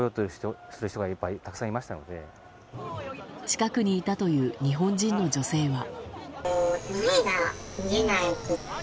近くにいたという日本人の女性は。